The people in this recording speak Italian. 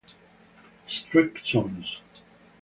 Street Songs